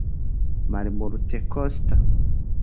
malmultekosta